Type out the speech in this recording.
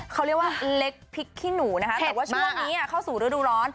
เขาเรียกว่าเล็กพริกขี้หนูนะคะแต่ว่าช่วงนี้เข้าสู่ฤดูร้อน